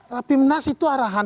rapimnas itu arahan